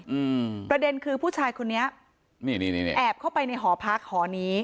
อืมประเด็นคือผู้ชายคนนี้นี่นี่แอบเข้าไปในหอพักหอนี้